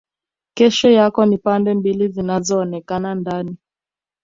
Kesho yako ni pande mbili zinazoonekana ndani